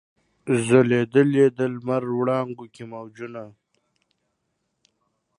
ځلېدل یې د لمر وړانګو کي موجونه